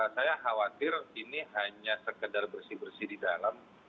saya khawatir ini hanya sekedar bersih bersih di dalam